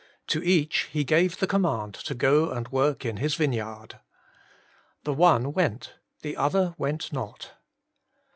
To each he gave the command to go and work in his vineyard. The one went, the other went not.